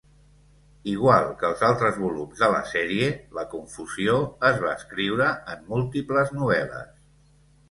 Igual que els altres volums de la sèrie, "La confusió" es va escriure en múltiples novel·les.